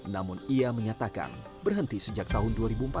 namun ia menyatakan berhenti sejak tahun dua ribu empat belas